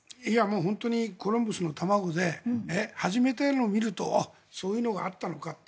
本当に、コロンブスの卵で始めてみるとそういうのがあったのかって。